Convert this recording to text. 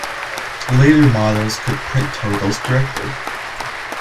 Later models could print totals directly.